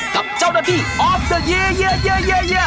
กับเจ้าหน้าที่ออฟเดอร์เย